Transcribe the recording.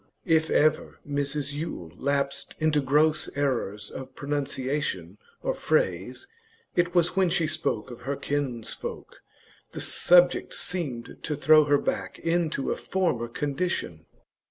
If ever Mrs Yule lapsed into gross errors of pronunciation or phrase, it was when she spoke of her kinsfolk. The subject seemed to throw her back into a former condition.